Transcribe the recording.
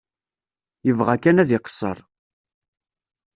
Yebɣa kan ad iqeṣṣer.